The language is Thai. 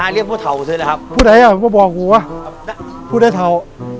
เรียกพวกเถาซึ่งแหละครับพูดไหนอ่ะไม่บอกกูว่าพูดไอ้เถา